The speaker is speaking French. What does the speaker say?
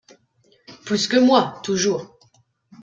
Plus que moi toujours.